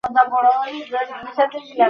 তিনি সঙ্গে সঙ্গে গিলে ফেলতেন।